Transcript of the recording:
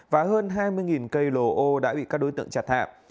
và hơn hai mươi cây lồ ô đã bị các đối tượng chặt hạm